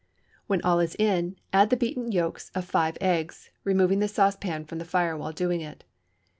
When all is in, add the beaten yolks of five eggs, removing the saucepan from the fire while doing it.